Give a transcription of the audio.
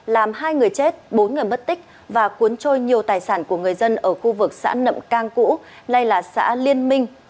làm hai người chết bốn người mất tích và cuốn trôi nhiều tài sản của người dân ở khu vực xã nậm cang cũ nay là xã liên minh